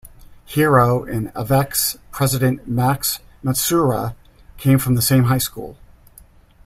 Hiro and Avex's president Max Matsuura came from the same high school.